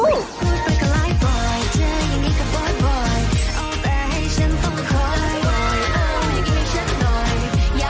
อยากปล่อยให้ร่วมเจาะจอย